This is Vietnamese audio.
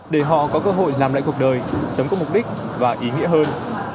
để họ có cơ hội làm lại cuộc đời sống có mục đích và ý nghĩa hơn